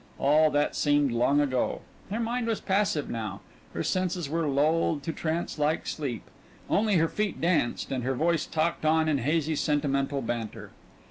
All that seemed long ago; her mind was passive now, her senses were lulled to trance like sleep; only her feet danced and her voice talked on in hazy sentimental banter.